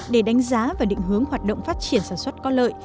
để đánh giá và định hướng hoạt động phát triển sản xuất có lợi